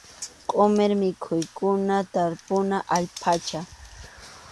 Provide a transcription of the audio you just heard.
Qʼumir mikhuykuna tarpuna allpacha.